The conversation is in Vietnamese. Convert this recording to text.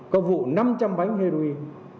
có vụ năm trăm linh bánh heroin